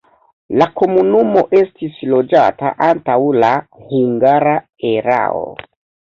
La komunumo estis loĝata antaŭ la hungara erao.